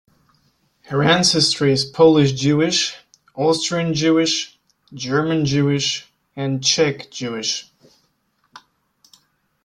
Her ancestry is Polish-Jewish, Austrian-Jewish, German-Jewish, and Czech-Jewish.